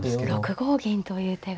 ６五銀という手が。